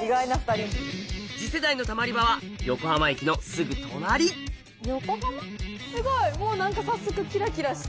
次世代のたまり場は横浜すごいもう何か早速キラキラして。